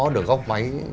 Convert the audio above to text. được góc máy